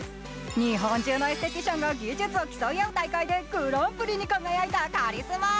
日本中のエステティシャンが技術を競い合う大会でグランプリに輝いたカリスマ。